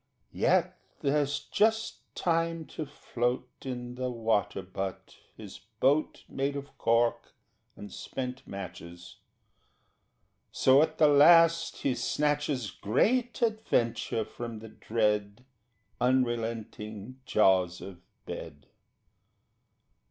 Yet there's just time to float In the water butt his boat Made of cork and spent matches: So, at the last he snatches Great adventure from the dread Unrelenting jaws of Bed.